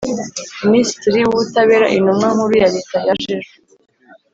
Minisitri w’ Ubutabera Intumwa Nkuru ya Leta yaje ejo.